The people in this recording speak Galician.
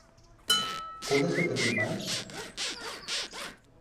Pódese pedir máis?